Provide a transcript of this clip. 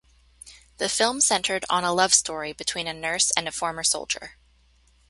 The film centered on a love story between a nurse and a former soldier.